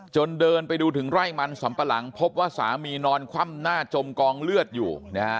เดินไปดูถึงไร่มันสำปะหลังพบว่าสามีนอนคว่ำหน้าจมกองเลือดอยู่นะฮะ